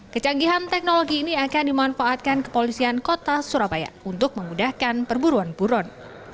kecanggihan teknologi ini akan dimanfaatkan kepolisian kota surabaya untuk memudahkan perburuan buron